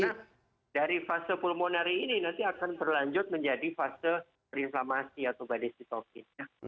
karena dari fase pulmoner ini nanti akan berlanjut menjadi fase perinflamasi atau badai sitokin